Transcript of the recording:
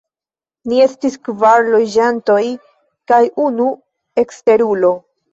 Ni estis kvar loĝantoj kaj unu eksterulo.